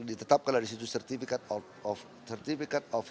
ditetapkan disitu certificate of